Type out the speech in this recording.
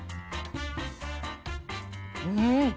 うん！